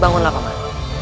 bangunlah pak man